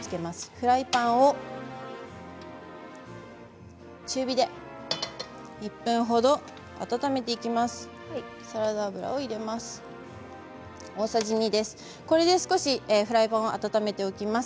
フライパンを中火で１分ほど温めていきます。